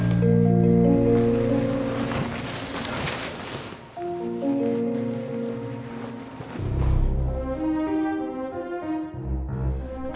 aku ngerasa sikapnya el ada yang aneh